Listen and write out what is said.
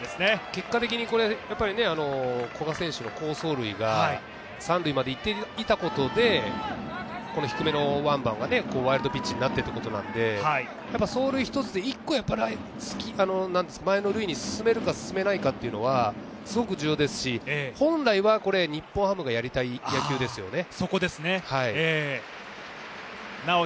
結果的に古賀選手の好走塁が、三塁までいっていたことで低めのワンバンがワイルドピッチになったということなので走塁一つで、１個前の塁に進めるか、進めないかというのはすごく重要ですし、本来では日本ハムがやりたい野球ですよね。